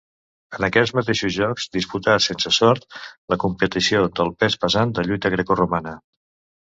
En aquests mateixos Jocs disputà, sense sort, la competició del pes pesant de lluita grecoromana.